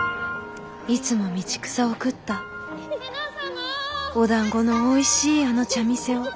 「いつも道草を食ったおだんごのおいしいあの茶店を」。